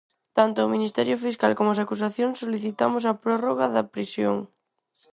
Tanto o Ministerio Fiscal como as acusacións solicitamos a prórroga da prisión.